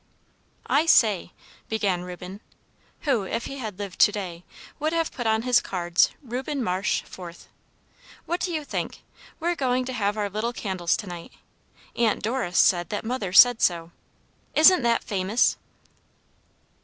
"I say," began Reuben, who, if he had lived to day, would have put on his cards "Reuben Marsh, 4th," "what do you think? We're going to have our little candles to night. Aunt Doris said that mother said so. Isn't that famous!"